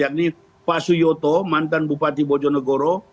yakni pak suyoto mantan bupati bojonegoro